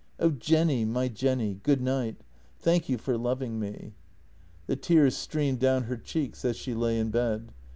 Oh, Jenny, my Jenny! Good night! Thank you for loving me!" The tears streamed down her cheeks as she lay in bed.